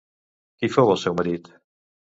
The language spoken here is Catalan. Qui fou el seu marit?